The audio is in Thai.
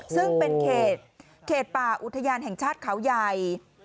ซึ่งเป็นเขตป่าอุทยานแห่งชาติเขาใหญ่